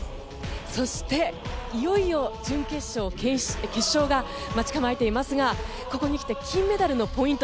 そしていよいよ準決勝、決勝が待ち構えていますがここに来て金メダルのポイント